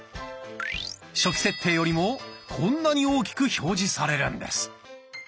初期設定よりもこんなに大きく表示されるんです。